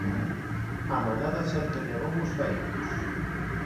A manada sempre negou os feitos.